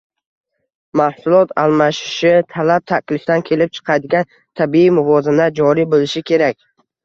Mahsulot almashishi, talab-taklifdan kelib chiqadigan tabiiy muvozanat joriy bo‘lishi kerak.